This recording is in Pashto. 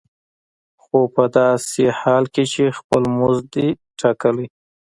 خو په داسې حال کې چې خپل مزد دې دی ټاکلی.